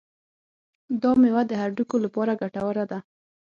دا میوه د هډوکو لپاره ګټوره ده.